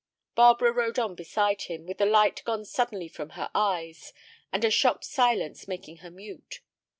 Barbara rode on beside him, with the light gone suddenly from her eyes, and a shocked silence making her mute.